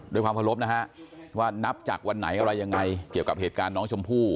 ด้วยความเคารพนะฮะว่านับจากวันไหนอะไรยังไงเกี่ยวกับเหตุการณ์น้องชมพู่